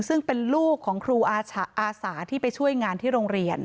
ซึ่งเป็นลูกของครูอาสาที่ไปช่วยงานที่โรงเรียน